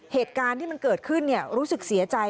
เหตุการณ์ที่มันเกิดขึ้นรู้สึกเสียใจ